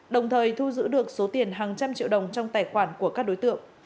đồng thời thu giữ được số tiền hàng trăm triệu đồng trong tài khoản của các đối tượng